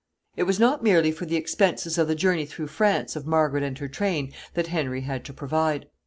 ] It was not merely for the expenses of the journey through France of Margaret and her train that Henry had to provide.